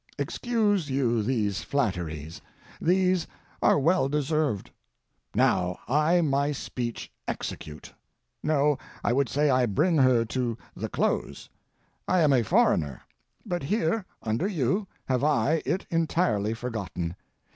Excuse you these flatteries. These are well deserved. Now I my speech execute—no, I would say I bring her to the close. I am a foreigner—but here, under you, have I it entirely forgotten.